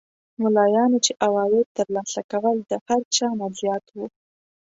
ملایانو چې عواید تر لاسه کول د هر چا نه زیات وو.